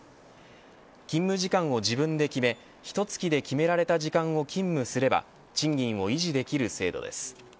勤務時間を自分で決めひと月で決められた時間を勤務すれば賃金を維持できる制度です。